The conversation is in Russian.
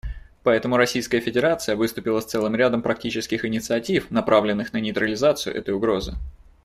Поэтому Российская Федерация выступила с целым рядом практических инициатив, направленных на нейтрализацию этой угрозы.